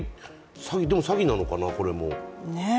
でも詐欺なのかな、これも。